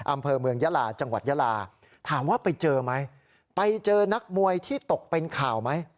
อำเภอเมืองยาลาจังหวัดยาลาถามว่าไปเจอไหมไปเจอนักมวยที่ตกเป็นข่าวไหม